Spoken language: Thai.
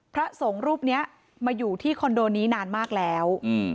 พระสงฆ์รูปนี้มาอยู่ที่คอนโดนี้นานมากแล้ว